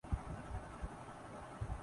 راکی Flair کے بارے میں کچھ کریں گے آپ لوگ